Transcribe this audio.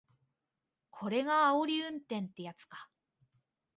これがあおり運転ってやつか